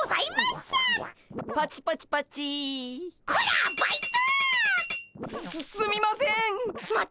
すすすみませんっ！